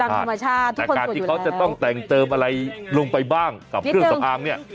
ธรรมชาติแต่การที่เขาจะต้องแต่งเติมอะไรลงไปบ้างกับเครื่องสำอางเนี่ย